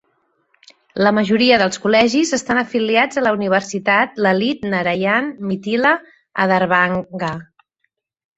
La majoria dels col·legis estan afiliats a la Universitat Lalit Narayan Mithila, a Darbhanga.